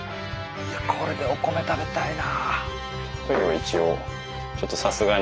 いやこれでお米食べたいな。